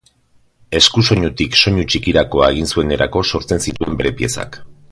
Eskusoinutik soinu txikirakoa egin zuenerako sortzen zituen bere piezak.